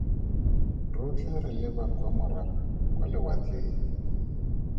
Rotlhe ra leba kwa morago kwa lewatleng.